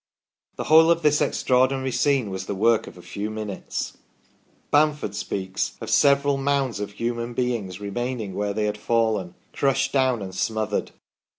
The whole of this extraordinary scene was the work of a few minutes." Barn ford speaks of " several mounds of human beings remaining where they had fallen, crushed down and smothered